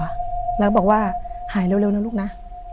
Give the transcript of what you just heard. แล้วก็บอกว่าหายเร็วนะลูกนะ